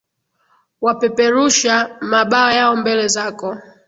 Wapeperusha, mabawa yao mbele zako.